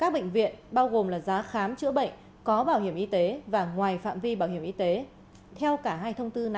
bệnh viện hạng ba là ba mươi năm trăm linh đồng tăng một năm trăm linh đồng